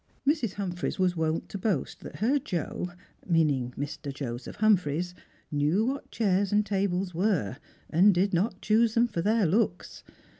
Mrs. Humphreys was wont to boast that her Joe — meaning Mr. Joseph Humphreys — knew what chairs and tables were, and did not choose them for their looks.